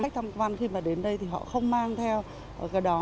khách tham quan khi mà đến đây thì họ không mang theo cái đó